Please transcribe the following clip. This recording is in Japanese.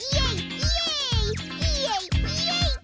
イエイイエイッ！